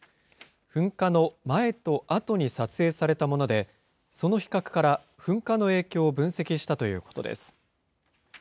噴火の前とあとに撮影されたもので、その比較から、噴火の影響を分析したということです。